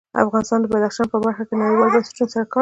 افغانستان د بدخشان په برخه کې نړیوالو بنسټونو سره کار کوي.